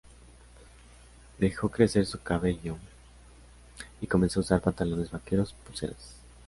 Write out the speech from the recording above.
Dejo crecer su cabello y comenzó a usar pantalones vaqueros, pulseras.